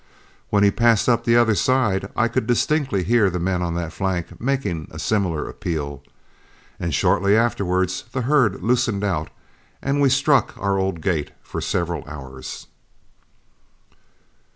When he passed up the opposite side, I could distinctly hear the men on that flank making a similar appeal, and shortly afterwards the herd loosened out and we struck our old gait for several hours.